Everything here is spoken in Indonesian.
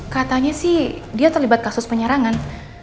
katanya sih dia terlibat kasus penyerangan